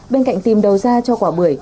bên cạnh tìm đầu ra cho quả bưởi